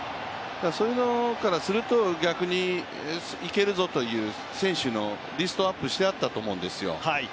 そういうのからすると逆にいけるぞという選手のリストアップしてあったと思うんですよ